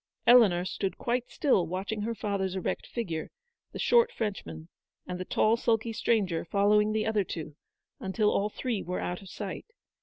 Eleanor stood quite still watching her father's erect figure, the short Frenchman, and the tall, sulky stranger following the other two, until all three were out of sight.